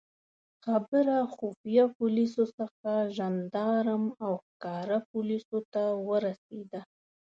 خبره خفیه پولیسو څخه ژندارم او ښکاره پولیسو ته ورسېده.